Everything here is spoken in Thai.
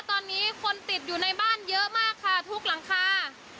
ตอนนี้คนติดอยู่ในบ้านเยอะมากค่ะทุกหลังคา